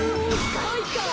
かいか！